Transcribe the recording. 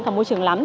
cả môi trường lắm